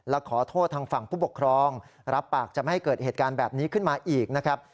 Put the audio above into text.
และขอโทษทางฝั่งผู้ปกครองรับปากจะไม่ให้เกิดเหตุการณ์แบบนี้ขึ้นมาอีกนะครับ